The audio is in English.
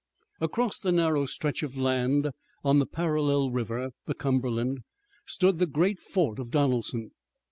Across the narrow stretch of land on the parallel river, the Cumberland, stood the great fort of Donelson.